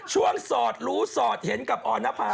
ช่วงสอดลูสอดเห็นกับอ่อนพ้าง